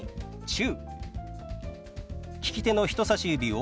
「中」。